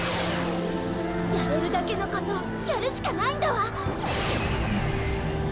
やれるだけのことをやるしかないんだわ！